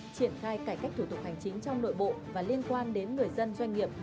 triển khai cải cách thủ tục hành chính trong nội bộ và liên quan đến người dân doanh nghiệp